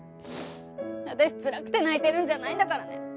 私つらくて泣いてるんじゃないんだからね。